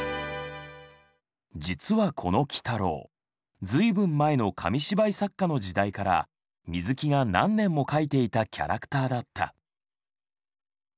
実はこの鬼太郎随分前の紙芝居作家の時代から水木が何年も描いていたキャラクターだった。